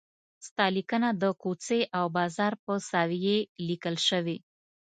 ستا لیکنه د کوڅې او بازار په سویې لیکل شوې.